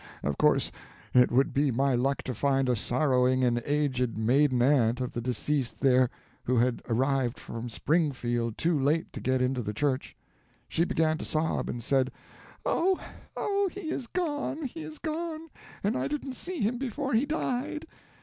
Of course it would be my luck to find a sorrowing and aged maiden aunt of the deceased there, who had arrived from Springfield too late to get into the church. She began to sob, and said: "'Oh, oh, he is gone, he is gone, and I didn't see him before he died!'